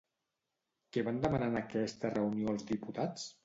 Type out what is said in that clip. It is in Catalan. Què van demanar en aquesta reunió els diputats?